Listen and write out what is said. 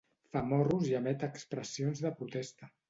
Fa morros i emet expressions de protesta.